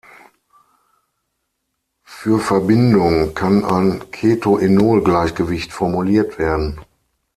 Für Verbindung kann ein Keto-Enol-Gleichgewicht formuliert werden.